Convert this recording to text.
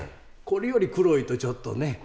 これより黒いとちょっとね。